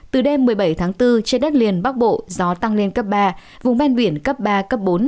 từ đêm một mươi bảy tháng bốn trên đất liền bắc bộ gió tăng lên cấp ba vùng ven biển cấp ba cấp bốn